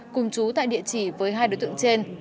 cùng chú tại địa chỉ với hai đối tượng trên